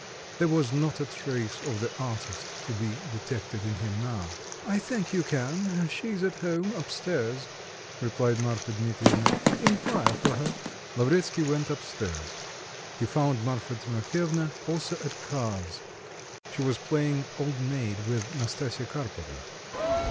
There was not a trace of the artist to be detected in him now. "I think you can. She is at home, up stairs," replied Marya Dmitrievna; "inquire for her." Lavretsky went up stairs. He found Marfa Timofyevna also at cards; she was playing old maid with Nastasya Karpovna.